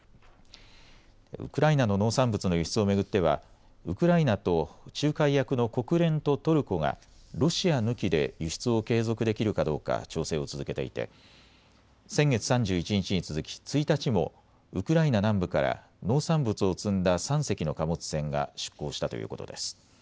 ウクライナの農産物の輸出を巡ってはウクライナと仲介役の国連とトルコがロシア抜きで輸出を継続できるかどうか調整を続けていて先月３１日に続き１日もウクライナ南部から農産物を積んだ３隻の貨物船が出港したということです。